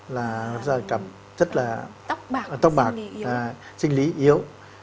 là do cặp rất là tóc bạc sinh lý yếu